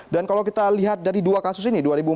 dan kalau kita lihat dari dua kasus ini